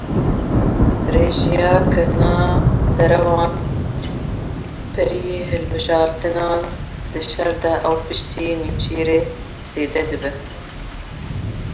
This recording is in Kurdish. Rêjeya kirina derewan berî hilbijartinan, di şer de û piştî nêçîrê zêde dibe.